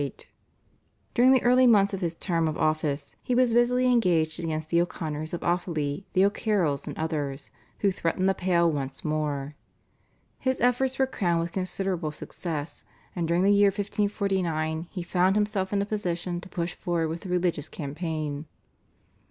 During the early months of his term of office he was busily engaged against the O'Connors of Offaly, the O'Carrolls, and others, who threatened the Pale once more. His efforts were crowned with considerable success, and during the year 1549 he found himself in a position to push forward with the religious campaign.